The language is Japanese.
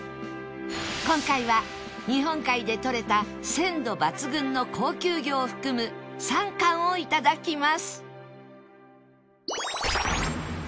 今回は日本海でとれた鮮度抜群の高級魚を含む３貫を頂きます